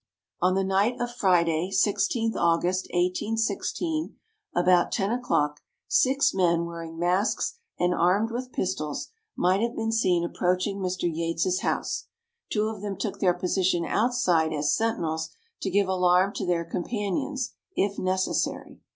On the night of Friday, 16th August, 1816, about ten o'clock, six men wearing masks, and armed with pistols, might have been seen approaching Mr. Yates' house. Two of them took their position outside as sentinels to give alarm to their companions, if necessary.